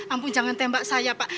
ampuh jangan tembak saya pak